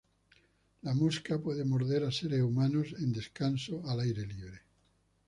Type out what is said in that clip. La mosca puede morder a seres humanos en descanso al aire libre.